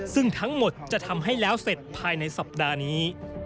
ซึ่งทั้งหมดจะทำให้แล้วเสร็จภายในสัปดาห์นี้